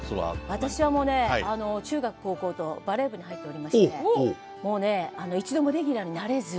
私は中学・高校とバレー部に入っておりましてもうね一度もレギュラーになれず。